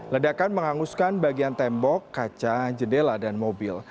ledakan menghanguskan bagian tembok kaca jendela dan mobil